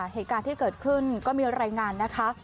เหตุการณ์ที่เกิดขึ้นก็มีรายงานนะคะ